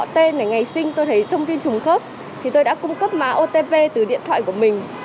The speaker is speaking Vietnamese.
đọc tên ngày sinh tôi thấy thông tin trùng khớp thì tôi đã cung cấp mạng otp từ điện thoại của mình